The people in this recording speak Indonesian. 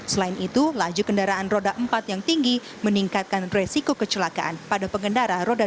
selain itu laju kendaraan roda empat yang tinggi meningkatkan resiko kecelakaan pada pengendara